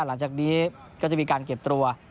หลังจากนี้ก็จะมีการเก็บตัว